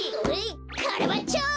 カラバッチョ！